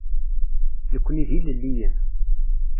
Nekkni d ilelliyen.